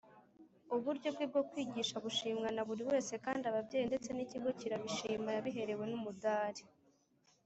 uburyo bwe bwo kwigisha bushimwa na buri wese kandi ababyeyi ndetse n’ikigo kirabishima yabiherewe n’umudari.